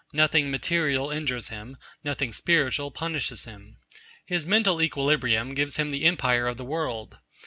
Nothing material injures him; nothing spiritual punishes him. His mental equilibrium gives him the empire of the world.